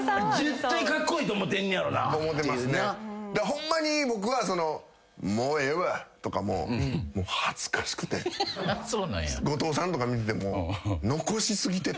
ホンマに僕は「もうええわ」とかも。後藤さんとか見てても。